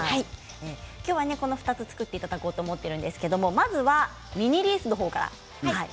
今日はこの２つを作っていただこうと思っているんですがまずはミニリースの方から。